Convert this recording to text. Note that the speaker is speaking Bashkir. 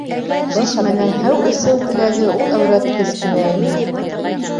Шишмәнән һыу эсеү теләге ул әүрәткес кенә ине.